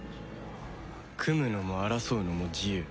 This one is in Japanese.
組むのも争うのも自由。